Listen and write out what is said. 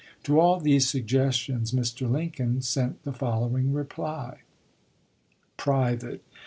To all these sugges tions Mr. Lincoln sent the following reply : (Private.)